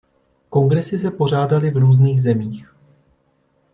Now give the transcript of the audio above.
Kongresy se pořádaly v různých zemích.